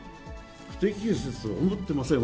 不適切とは思ってません。